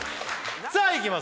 さあいきます